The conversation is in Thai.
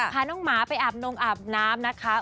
พาน้องหมาไปอาบนงอาบน้ำนะคะ